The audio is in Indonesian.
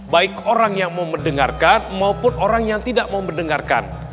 baik orang yang mau mendengarkan maupun orang yang tidak mau mendengarkan